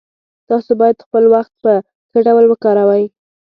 تاسو باید خپل وخت په ښه ډول وکاروئ